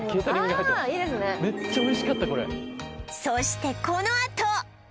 これそしてこのあと！